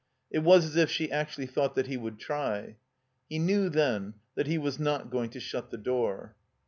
It was as if she actually thought that he would try. He knew then that he was not going to shut the door.